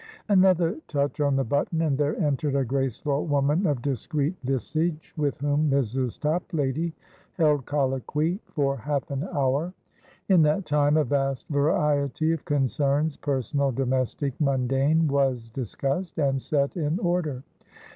Another touch on the button, and there entered a graceful woman of discreet visage, with whom Mrs. Toplady held colloquy for half an hour; in that time a vast variety of concerns, personal, domestic, mundane, was discussed and set in order.